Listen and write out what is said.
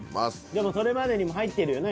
でもそれまでにも入ってるよな。